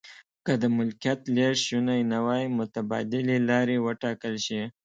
که د ملکیت لیږد شونی نه وي متبادلې لارې و ټاکل شي.